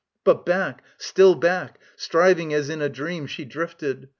But back, still back, striving as in a dream, She drifted.